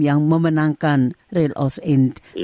yang memenangkan real oceane